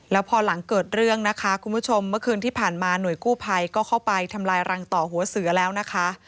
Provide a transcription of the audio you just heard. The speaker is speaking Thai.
แล้วพอหลังเกิดเรื่องนะคะคุณผู้ชมเมื่อคืนที่ผ่านมาหน่วยกู้ภัยก็เข้าไปทำลายรังต่อหัวเสือแล้วนะคะ